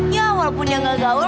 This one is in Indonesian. ya walaupun yang gak gaul